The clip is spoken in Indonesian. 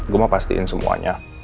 gue mau pastiin semuanya